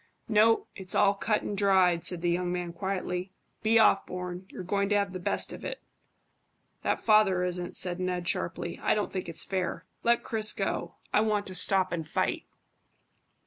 "No. It's all cut and dried," said the young man quietly. "Be off, Bourne; you're going to have the best of it." "That father isn't," said Ned sharply. "I don't think it's fair. Let Chris go. I want to stop and fight."